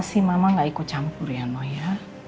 sih mama gak ikut campur ya noh ya